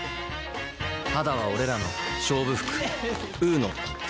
肌は俺らの勝負服。